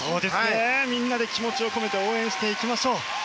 みんなで気持ちを込めて応援していきましょう。